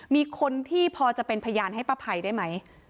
มีคนที่พอจะเป็นพยานให้ป้าภัยได้ไหม